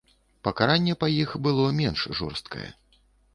Пакаранне па іх было менш жорсткае.